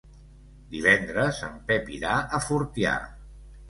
Divendres en Pep irà a Fortià.